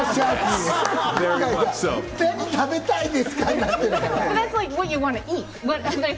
全部、「何食べたいですか？